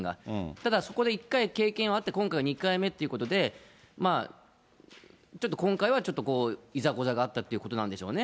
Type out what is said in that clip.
ただ、そこで１回経験あって、今回が２回目っていうことで、ちょっと今回は、ちょっといざこざがあったということなんでしょうね。